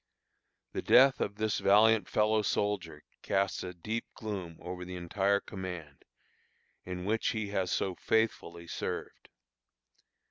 The death of this valiant fellow soldier casts a deep gloom over the entire command, in which he has so faithfully served.